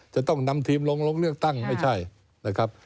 จะต้องนำทีมลงเลือกตั้งไม่ใช่นะครับ